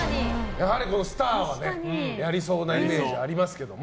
スターはやりそうなイメージありますけれども。